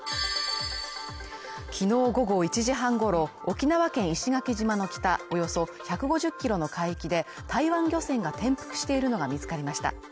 きのう午後１時半ごろ、沖縄県石垣島の北およそ１５０ｋｍの海域で台湾漁船が転覆しているのが見つかりました。